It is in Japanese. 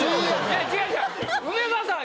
違う違う梅沢さん